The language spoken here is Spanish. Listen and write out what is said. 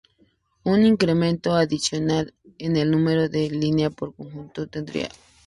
Un incremento adicional, en el número de líneas por conjunto tendría poco efecto.